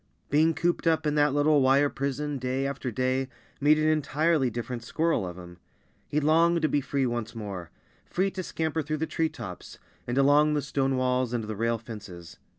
Being cooped up in that little wire prison day after day made an entirely different squirrel of him. He longed to be free once more free to scamper through the tree tops, and along the stone walls and the rail fences.